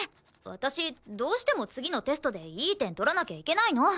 私どうしても次のテストでいい点取らなきゃいけないの。